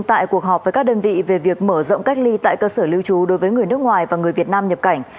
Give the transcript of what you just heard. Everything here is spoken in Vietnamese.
tại cuộc họp với các đơn vị về việc mở rộng cách ly tại cơ sở lưu trú đối với người nước ngoài và người việt nam nhập cảnh